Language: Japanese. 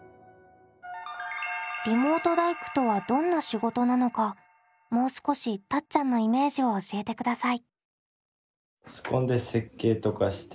リモート大工とはどんな仕事なのかもう少したっちゃんのイメージを教えてください。